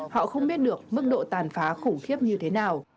họ không biết được mức độ tàn phá khủng khiếp như thế nào